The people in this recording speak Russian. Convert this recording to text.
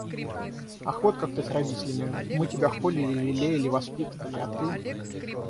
Ах вот, как ты с родителями. Мы тебя холили и лелеяли, воспитывали... А ты!